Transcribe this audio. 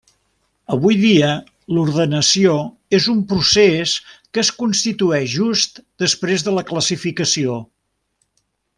Avui dia l'ordenació és un procés que es constitueix just després de la classificació.